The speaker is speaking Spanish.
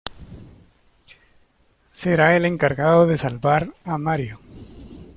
Será el encargado de salvar a Mario.